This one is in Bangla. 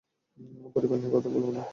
পরিবার নিয়ে কথা বলবে না।